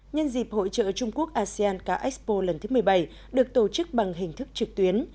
nhân dịp hội trợ trung quốc asean ca expo lần thứ một mươi bảy được tổ chức bằng hình thức trực tuyến